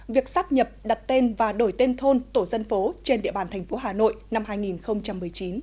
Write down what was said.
việc sắp nhập đặt tên và đổi tên thôn tổ dân phố trên địa bàn thành phố hà nội năm hai nghìn một mươi chín